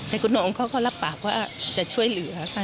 แต่คุณน้องเขาก็รับปากว่าจะช่วยเหลือค่ะ